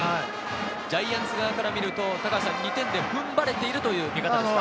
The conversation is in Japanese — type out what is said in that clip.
ジャイアンツ側から見ると、２点で踏ん張れているという見方ですか？